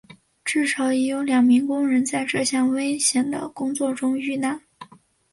至少已有两名工人在这项危险的工作中遇难。